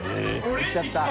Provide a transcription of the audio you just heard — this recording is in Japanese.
打っちゃった。